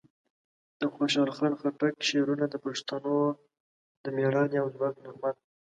د خوشحال خان خټک شعرونه د پښتنو د مېړانې او ځواک نغمه ده.